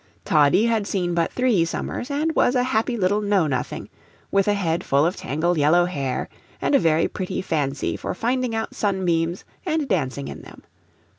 Toddie had seen but three summers, and was a happy little know nothing, with a head full of tangled yellow hair, and a very pretty fancy for finding out sunbeams and dancing in them.